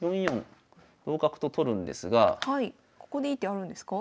ここでいい手あるんですか？